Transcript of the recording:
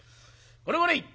「これこれ！